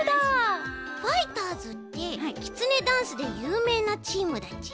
ファイターズってきつねダンスでゆうめいなチームだち？